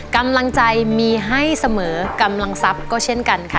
กำลังใจมีให้เสมอกำลังทรัพย์ก็เช่นกันค่ะ